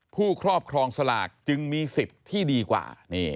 ครอบครองสลากจึงมีสิทธิ์ที่ดีกว่า